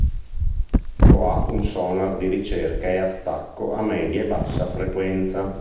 La ha un sonar di ricerca e attacco a media e bassa frequenza.